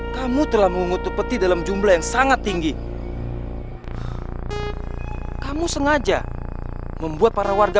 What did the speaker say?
kamu telah mengutuk peti dalam jumlah yang sangat tinggi kamu sengaja membuat para warga